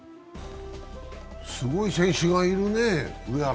すごい選手がいるね。